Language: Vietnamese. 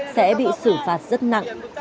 sẽ bị xử phạt rất nặng